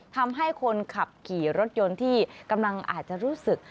ทำให้คนขับขี่รถยนต์ที่กำลังอาจจะรู้สึก